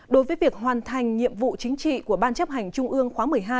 đối với việc hoàn thành nhiệm vụ chính trị của ban chấp hành trung ương khóa một mươi hai